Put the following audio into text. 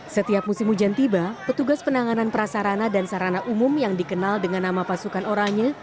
setiap musim hujan tiba petugas penanganan prasarana dan sarana umum yang dikenal dengan nama pasukan orangnya